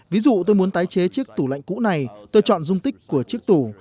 ví dụ tôi muốn tái chế chiếc tủ lạnh cũ này tôi chọn dung tích của chiếc tủ